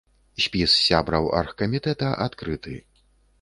Спіс сябраў аргкамітэта адкрыты.